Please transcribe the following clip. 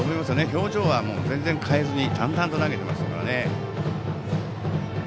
表情は全然変えずに淡々と投げていましたからね。